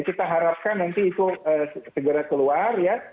kita harapkan nanti itu segera keluar ya